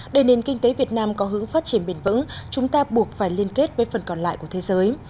để nền kinh tế việt nam có hướng phát triển bền vững chúng ta buộc phải liên kết với phần còn lại của thế giới